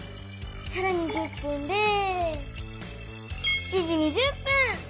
さらに１０分で７時２０分！